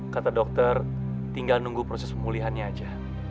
kata dokter tinggal nunggu proses pemulihan nya aja